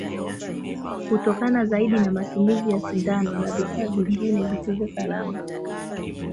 hutokana zaidi na matumizi ya sindano na vifaa vingine visivyo salama